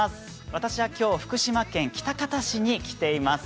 私は今日、福島県喜多方市に来ています。